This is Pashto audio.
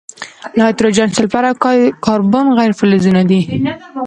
نایتروجن، سلفر، او کاربن غیر فلزونه دي.